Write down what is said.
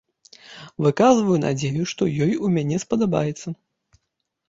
Выказваю надзею, што ёй у мяне спадабаецца.